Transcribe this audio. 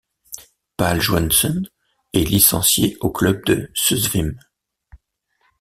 Pál Joensen est licencié au club de Susvim.